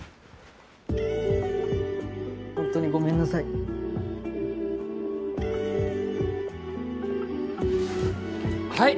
ほんとにごめんなさいはい！